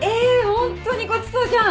ホントにごちそうじゃん！